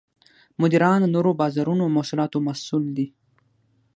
مدیران د نوو بازارونو او محصولاتو مسوول دي.